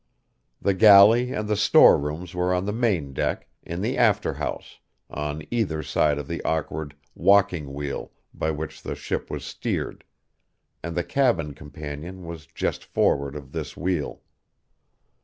The galley and the store rooms were on the main deck, in the after house, on either side of the awkward "walking wheel" by which the ship was steered; and the cabin companion was just forward of this wheel.